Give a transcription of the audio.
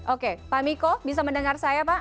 oke pak miko bisa mendengar saya pak